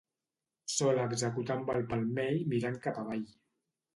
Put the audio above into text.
Sol executar amb el palmell mirant cap avall.